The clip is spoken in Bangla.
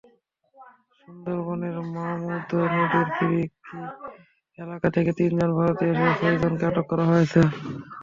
সুন্দরবনের মামুদো নদীর ফিরিঙ্গি এলাকা থেকে তিনজন ভারতীয়সহ ছয়জনকে আটক করা হয়েছে।